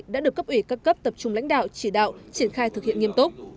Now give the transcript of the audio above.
đã được cấp ủy các cấp tập trung lãnh đạo chỉ đạo triển khai thực hiện nghiêm túc